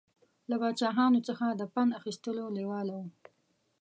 له پاچاهانو څخه د پند اخیستلو لېواله و.